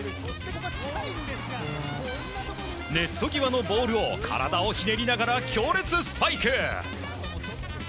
ネット際のボールを体をひねりながら強烈スパイク！